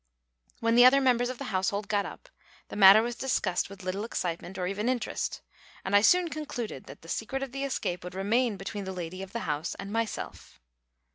When the other members of the household got up, the matter was discussed with little excitement or even interest, and I soon concluded that the secret of the escape would remain between the lady of the house and myself.